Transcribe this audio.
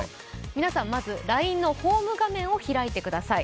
皆さん、まずＬＩＮＥのホーム画面を開いてください。